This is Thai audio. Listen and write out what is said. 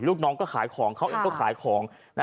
ลูกน้องก็ขายของเขาเองก็ขายของ